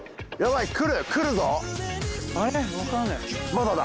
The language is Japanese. まだだ